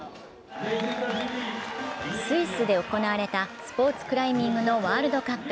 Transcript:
スイスで行われたスポーツクライミングのワールドカップ。